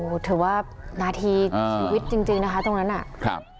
โอ้โหถือว่านาทีชีวิตจริงจริงนะคะตรงนั้นน่ะครับ